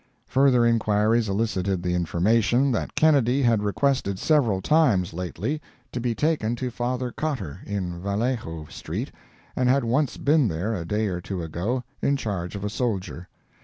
Further inquiries elicited the information that Kennedy had requested several times, lately, to be taken to Father Cotter, in Vallejo street, and had once been there, a day or two ago, in charge of a soldier.